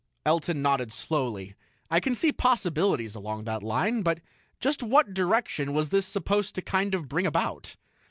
Elton nodded slowly. "I can see possibilities along that line but just what direction was this supposed to kind of bring about?"